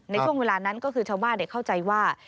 ในช่วงเวลานั้นก็คือชาวบ้านเข้าใจว่า